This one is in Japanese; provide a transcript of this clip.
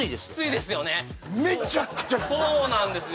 すごいそうなんですよ